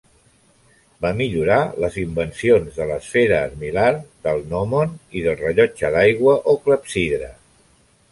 Va millorar les invencions de l'esfera armil·lar, del gnòmon, i del rellotge d'aigua o clepsidra.